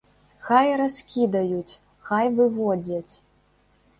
Хай раскідаюць, хай выводзяць!